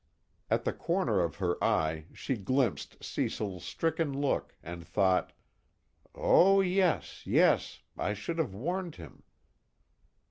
At the corner of her eye she glimpsed Cecil's stricken look, and thought: _Oh yes yes, I should have warned him.